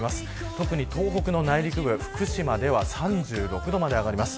特に東北の内陸部、福島では３６度まで上がります。